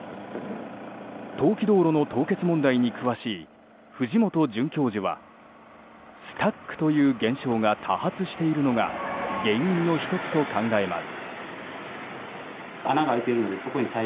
冬季道路の凍結問題に詳しい藤本准教授はスタックという現象が多発しているのが原因の１つと考えます。